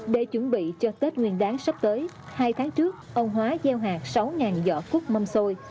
để chuẩn bị cho tết nguyên đáng sắp tới hai tháng trước ông hoa gieo hạt sáu vỏ cúc mâm xôi